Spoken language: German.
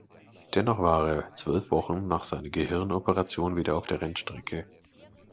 Dennoch war er zwölf Wochen nach seiner Gehirnoperation wieder auf der Rennstrecke.